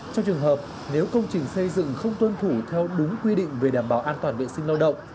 trong trường hợp nếu công trình xây dựng không tuân thủ theo đúng quy định về đảm bảo an toàn vệ sinh lao động